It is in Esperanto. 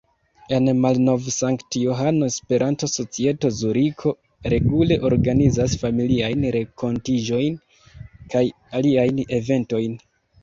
En Malnov-Sankt-Johano Esperanto-Societo Zuriko regule organizas familiajn renkontiĝojn kaj aliajn eventojn.